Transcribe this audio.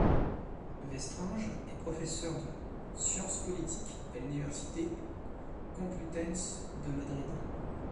Verstrynge est professeur de sciences politiques à l'Université complutense de Madrid.